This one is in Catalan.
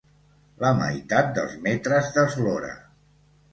La meitat dels metres d'eslora.